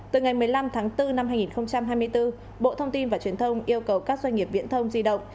từ ngày một mươi năm tháng bốn năm hai nghìn hai mươi bốn bộ thông tin và truyền thông yêu cầu các doanh nghiệp viễn thông di động